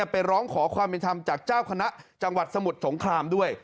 ไปร้องขอความเป็นธรรมจากเจ้าคณะจังหวัดสมุทรสงครามด้วย